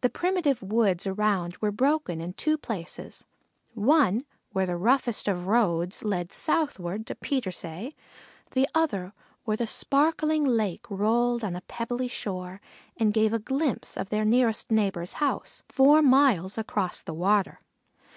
The primitive woods around were broken in two places: one where the roughest of roads led southward to Petersay; the other where the sparkling lake rolled on a pebbly shore and gave a glimpse of their nearest neighbor's house four miles across the water.